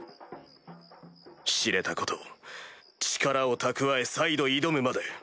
知れたこと力を蓄え再度挑むまで。